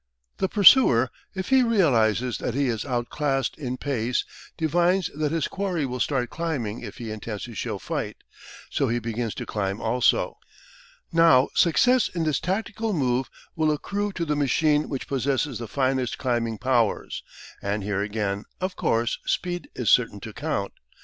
The pursuer, if he realises that he is out classed in pace, divines that his quarry will start climbing if he intends to show fight, so he begins to climb also. Now success in this tactical move will accrue to the machine which possesses the finest climbing powers, and here again, of course, speed is certain to count.